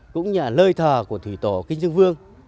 cũng như là lơi thờ của thủy tổ kinh dương vương